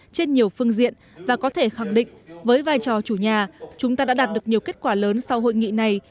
trên nhiều phương diện và có thể khẳng định với vai trò chủ nhà chúng ta đã đạt được nhiều kết quả lớn sau hội nghị này